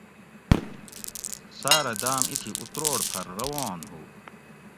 ساٞرہ داٞم اِتھی اُتروڑ پھر روان ہُو